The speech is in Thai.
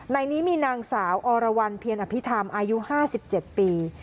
ในนี้มีนางสาวอรวรรณเพียนอภิธรรมอายุห้าสิบเจ็ดปี